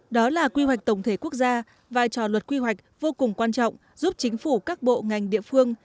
đó là quy hoạch tổng thể quốc gia vai trò luật quy hoạch vô cùng quan trọng giúp chính phủ các bộ ngành địa phương